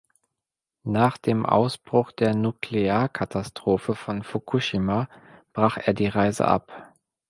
Nach Ausbruch der Nuklearkatastrophe von Fukushima brach er die Reise ab.